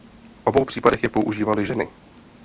V obou případech je používaly ženy.